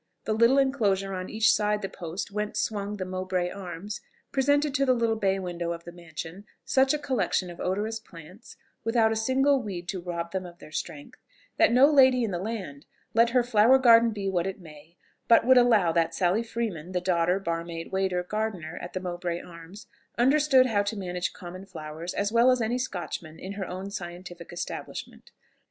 The little enclosure on each side the post whence swung the "Mowbray Arms" presented to the little bay windows of the mansion such a collection of odorous plants, without a single weed to rob them of their strength, that no lady in the land, let her flower garden be what it may, but would allow that Sally Freeman, the daughter, bar maid, waiter, gardener at the "Mowbray Arms," understood how to manage common flowers as well as any Scotchman in her own scientific establishment.